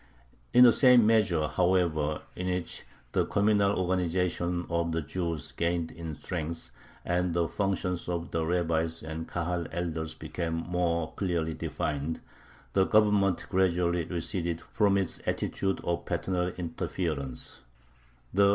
In the same measure, however, in which the communal organization of the Jews gained in strength, and the functions of the rabbis and Kahal elders became more clearly defined, the Government gradually receded from its attitude of paternal interference.